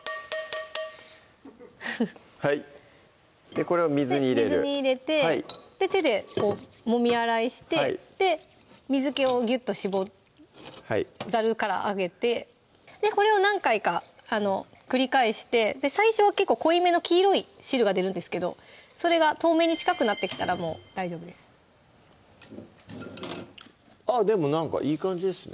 これを水に入れる水に入れて手でこうもみ洗いして水気をギュッと絞るざるからあげてこれを何回か繰り返して最初は結構濃いめの黄色い汁が出るんですけどそれが透明に近くなってきたらもう大丈夫ですあっでもなんかいい感じですね